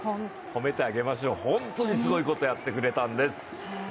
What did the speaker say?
褒めてあげましょう、ホントにすごいことをやってくれたんです。